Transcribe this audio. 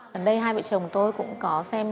lần đây hai vợ chồng tôi cũng có xem